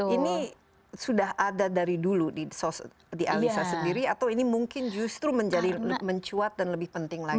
ini sudah ada dari dulu di analisa sendiri atau ini mungkin justru menjadi mencuat dan lebih penting lagi